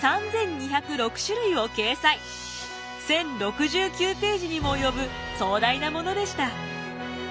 １，０６９ページにも及ぶ壮大なものでした。